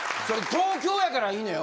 東京やからいいのよ。